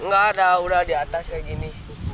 nggak ada udah di atas kayak gini